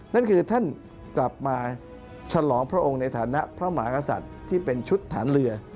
นั่นคือท่านกลับมาชลองพระองค์ในฐานะพระมเรศัตริย์